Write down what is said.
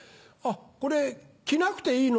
「これ着なくていいの？」